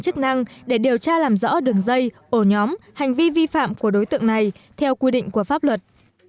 chức năng để điều tra làm rõ đường dây ổ nhóm hành vi vi phạm của đối tượng này theo quy định của pháp luật